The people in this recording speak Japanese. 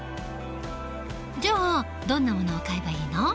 じゃあどんなものを買えばいいの？